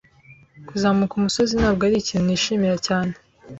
Kuzamuka umusozi ntabwo arikintu nishimira cyane.